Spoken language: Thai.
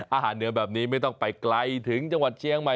อาหารเหนือแบบนี้ไม่ต้องไปไกลถึงจังหวัดเชียงใหม่